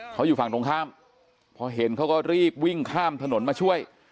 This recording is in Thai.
เขาอยู่ฝั่งตรงข้ามพอเห็นเขาก็รีบวิ่งข้ามถนนมาช่วย